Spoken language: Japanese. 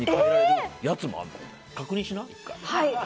確認しな。